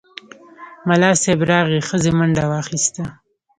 ملا صیب راغی، ښځې منډه واخیسته.